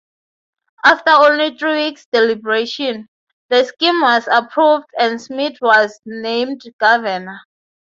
After only three weeks' deliberation, the scheme was approved and Smit was named governor.